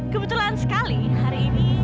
kebetulan sekali hari ini